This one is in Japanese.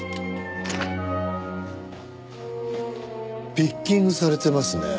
ピッキングされてますね。